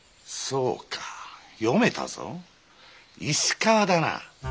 そうか読めたぞ石川だな。